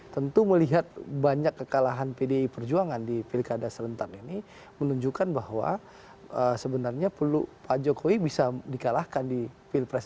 tentu melihat banyak kekalahan pdi perjuangan di pilkada serentak ini menunjukkan bahwa sebenarnya pak jokowi bisa dikalahkan di pilpres dua ribu sembilan belas